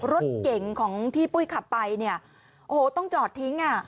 รถเก่งของที่ปุ้ยขับไปเนี่ยโอ้โหต้องจอดทิ้งอ่ะ